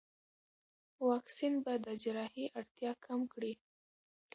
واکسین به د جراحي اړتیا کم کړي.